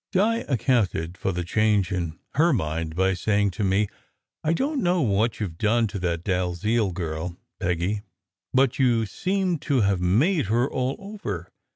Di accounted for the change in her mind by saying to me: "I don t know what you ve done to that Dalziel girl, Peggy, but you seem to have made her all over.